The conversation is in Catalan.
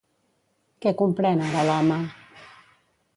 Què comprèn ara l'home?